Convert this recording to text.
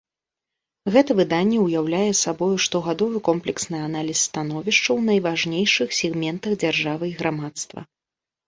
Гэта выданне ўяўляе сабою штогадовы комплексны аналіз становішча ў найважнейшых сегментах дзяржавы і грамадства.